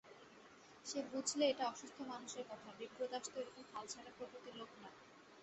সে বুঝলে এটা অসুস্থ মানুষের কথা, বিপ্রদাস তো এরকম হালছাড়া প্রকৃতির লোক নয়।